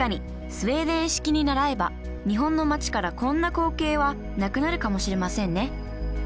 スウェーデン式にならえば日本の街からこんな光景はなくなるかもしれませんね！